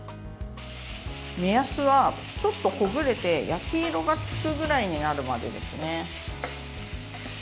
目安は、ちょっとほぐれて焼き色がつくぐらいになるまでですね。